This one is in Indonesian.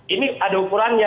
ini ada ukurannya